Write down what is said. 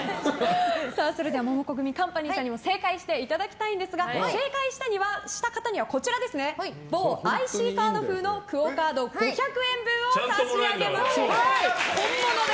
モモコグミカンパニーさんにも正解していただきたいんですが正解した方にはこちら、某ＩＣカード風のＱＵＯカード５００円分を差し上げます！